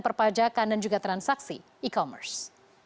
perpajakan dan juga transaksi e commerce